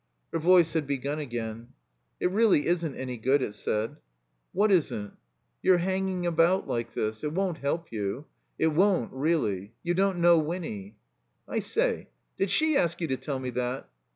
Her voice had begun again. "It really isn't any good," it said. 73 THE COMBINED MAZE "What isn't?" * 'Your hanging about like this. It won't help you. It won't, really. You don't know Winny." '*I say, did she ask you to tell me that?"